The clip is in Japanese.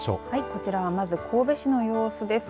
こちらは神戸市の様子です。